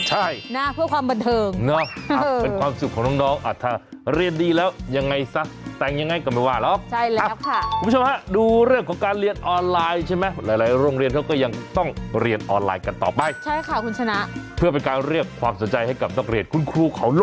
ใช่นะเพื่อความบันเทิงฮือฮือฮือฮือฮือฮือฮือฮือฮือฮือฮือฮือฮือฮือฮือฮือฮือฮือฮือฮือฮือฮือฮือฮือฮือฮือฮือฮือฮือฮือฮือฮือฮือฮือฮือฮือฮือฮือฮือฮือฮ